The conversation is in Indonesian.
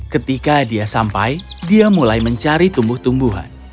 ketika dia sampai dia mulai mencari tumbuh tumbuhan